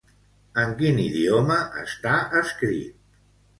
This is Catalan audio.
En quin idioma està escrit?